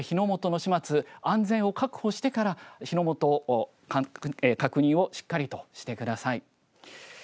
火の元の始末安全を確保してから火の元の確認をしっかりとしてください。